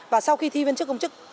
và sau khi thi viên chức công chức